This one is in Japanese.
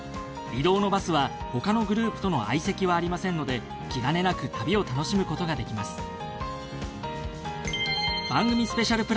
移動のバスは他のグループとの相席はありませんので気兼ねなく旅を楽しむことができます。